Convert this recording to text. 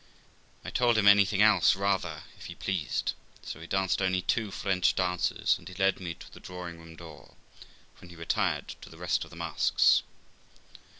I told him anything else rather, if he pleased ; so we danced only two French dances, and he led me to the drawing room door, THE LIFE OF ROXANA 297 when he retired to the rest of the masks.